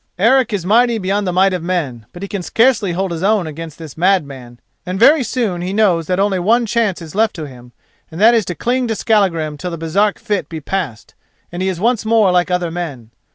Eric is mighty beyond the might of men, but he can scarcely hold his own against this mad man, and very soon he knows that only one chance is left to him, and that is to cling to Skallagrim till the Baresark fit be passed and he is once more like other men.